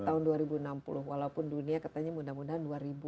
tahun dua ribu enam puluh walaupun dunia katanya mudah mudahan dua ribu dua puluh